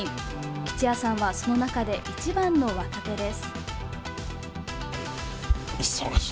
吉也さんはその中で一番の若手です。